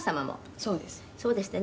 「そうですってね」